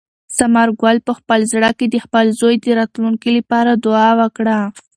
ثمر ګل په خپل زړه کې د خپل زوی د راتلونکي لپاره دعا وکړه.